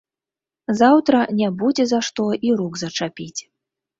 Заўтра не будзе за што і рук зачапіць.